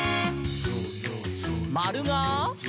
「まるが？」